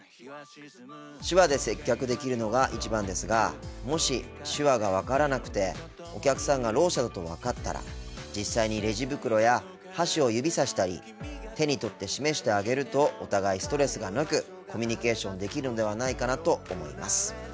手話で接客できるのが一番ですがもし手話が分からなくてお客さんがろう者だと分かったら実際にレジ袋や箸を指さしたり手に取って示してあげるとお互いストレスがなくコミュニケーションできるのではないかなと思います。